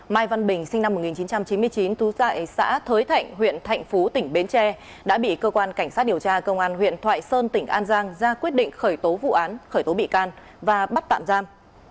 mai văn bình sinh năm một nghìn chín trăm chín mươi chín trú tại xã thới thạnh huyện thạnh phú tỉnh bến tre đã bị cơ quan cảnh sát điều tra công an huyện thoại sơn tỉnh an giang ra quyết định khởi tố vụ án khởi tố bị can và bắt tạm giam